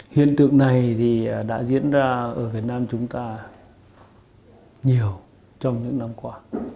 hiện tượng này thì đã diễn ra ở việt nam chúng ta nhiều trong những năm qua